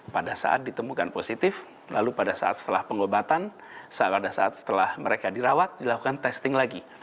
pada saat ditemukan positif lalu pada saat setelah pengobatan pada saat setelah mereka dirawat dilakukan testing lagi